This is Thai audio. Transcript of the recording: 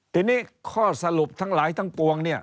ทีนี้ข้อสรุปทั้งหลายทั้งปวงเนี่ย